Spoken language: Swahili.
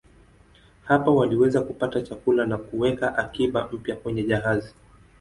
Hapa waliweza kupata chakula na kuweka akiba mpya kwenye jahazi.